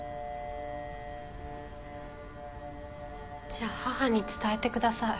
じゃあ母に伝えてください。